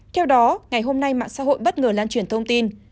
theo đó ngày hôm nay mạng xã hội bất ngờ lan truyền thông tin